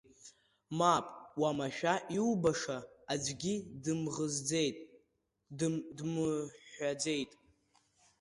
Мап, уамашәа иубаша, аӡәгьы дымӷызӡеит, дмыҳәҳәаӡеит.